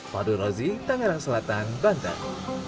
fadul rozzi tangerang selatan bantan